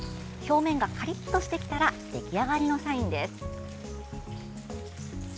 表面がカリッとしてきたら出来上がりのサインです。